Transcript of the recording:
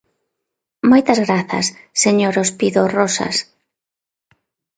Moitas grazas, señor Ospido Roxas.